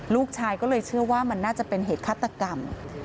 ลูกชายก็เลยเชื่อว่ามันน่าจะเป็นเหตุฆาตกรรม